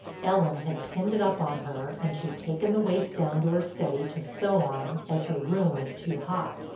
Ellen had pinned it up on her and she'd taken the waist down to her study to sew on as her room was too hot.